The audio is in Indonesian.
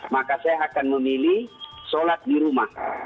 maka saya akan memilih sholat di rumah